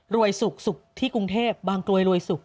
รวยสุกสุกที่กรุงเทพฯบางกลวยรวยสุก